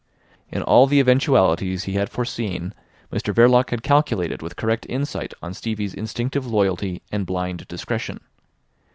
In all the eventualities he had foreseen Mr Verloc had calculated with correct insight on Stevie's instinctive loyalty and blind discretion.